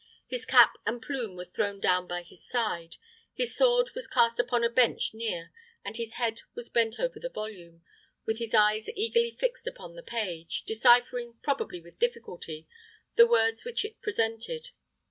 His cap and plume were thrown down by his side, his sword was cast upon a bench near, and his head was bent over the volume, with his eyes eagerly fixed upon the page, deciphering, probably with difficulty, the words which it presented.